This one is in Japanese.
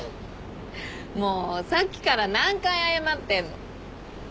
もうさっきから何回謝ってんの。